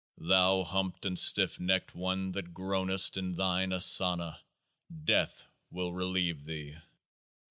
36 Thou humped and stiff necked one that groanest in Thine Asana, death will relieve thee